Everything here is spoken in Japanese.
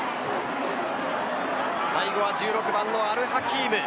最後は１６番のアルハキーム。